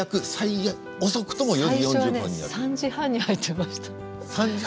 最初は３時半に入っていました。